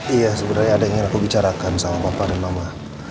iya sebenarnya ada yang ingin aku bicarakan sama papa dan mama